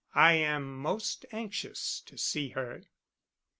I am most anxious to see her."